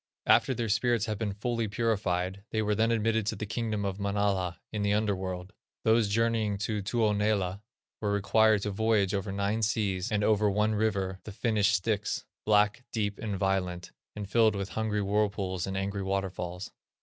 After their spirits had been fully purified, they were then admitted to the Kingdom of Manala in the under world. Those journeying to Tuonela were required to voyage over nine seas, and over one river, the Finnish Styx, black, deep, and violent, and filled with hungry whirlpools, and angry waterfalls.